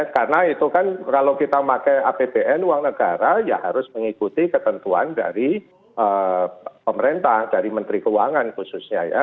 karena itu kan kalau kita memakai apbn uang negara ya harus mengikuti ketentuan dari pemerintah dari menteri keuangan khususnya